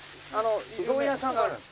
うどん屋さんがあるんですか？